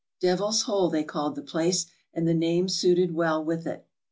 " Devil's Hole " they called the place, and the name suited well with it.